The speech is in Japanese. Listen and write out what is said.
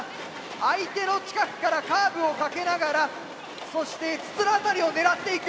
相手の近くからカーブをかけながらそして筒の辺りを狙っていく。